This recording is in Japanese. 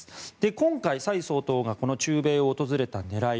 今回、蔡総統がこの中米を訪れた狙い。